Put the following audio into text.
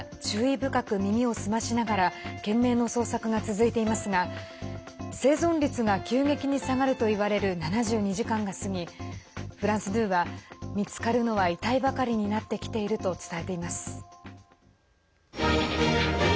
深く耳を澄ましながら懸命の捜索が続いていますが生存率が急激に下がるといわれる７２時間が過ぎフランス２は、見つかるのは遺体ばかりになってきていると伝えています。